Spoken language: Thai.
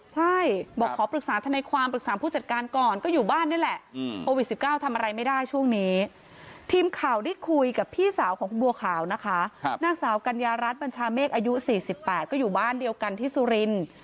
ใช่บอกขอปรึกษาทนายความปรึกษาผู้จัดการก่อนก็อยู่บ้านนี่แหละโควิด๑๙ทำอะไรไม่ได้ช่วงนี้ทีมข่าวได้คุยกับพี่สาวของคุณบัวขาวนะคะนางสาวกัญญารัฐบัญชาเมฆอายุ๔๘ก็อยู่บ้านเดียวกันที่สุรินทร์